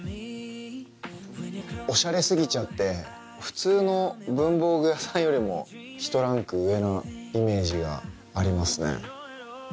オシャレ過ぎちゃって普通の文房具屋さんよりもひとランク上なイメージがありますね。